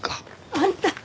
あんた。